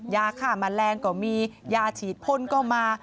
ยาฆ่าแมลงก็มียาฉีดพ่นก็มา